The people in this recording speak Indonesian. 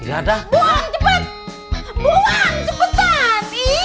nggak ada buang cepet